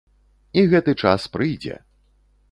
І гэты час прыйдзе!